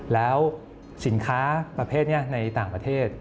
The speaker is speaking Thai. แล้วสินค้าประเภทนี้ในต่างประเทศ